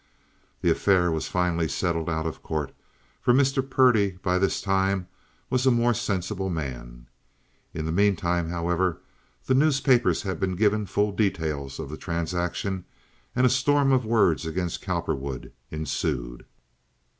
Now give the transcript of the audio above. The affair was finally settled out of court, for Mr. Purdy by this time was a more sensible man. In the mean time, however, the newspapers had been given full details of the transaction, and a storm of words against Cowperwood ensued.